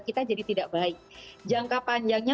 kita jadi tidak baik jangka panjangnya